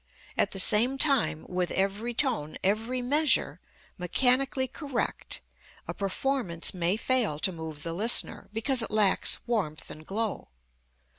At the same time, with every tone, every measure, mechanically correct, a performance may fail to move the listener, because it lacks warmth and glow.